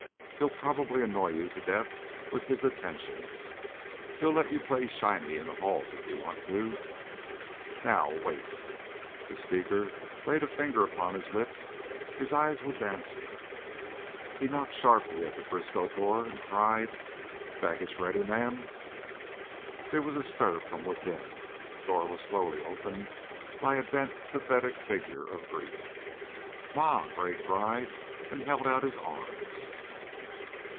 He'll probably annoy you to death with his attentions. He'll let you play 'shinny' in the halls if you want to. Now wait!" The speaker laid a finger upon his lips; his eyes were dancing. He knocked sharply at the Briskow door and cried, "Baggage ready, ma'am?" There was a stir from within, the door was slowly opened by a bent, pathetic figure of grief. "Ma!" Gray cried, and he held out his arms.